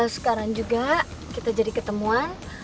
sekarang juga kita jadi ketemuan